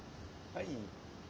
はい。